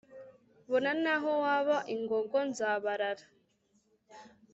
bona n'aho waba ingongo nzabarara